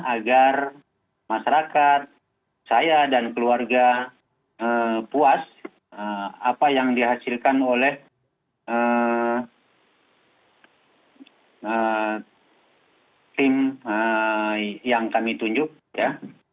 agar masyarakat saya dan keluarga puas apa yang dihasilkan oleh tim yang kami tunjuk ya